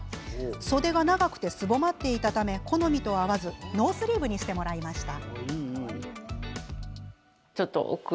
袖が長くて、すぼまっていたため好みと合わずノースリーブにしてもらいました。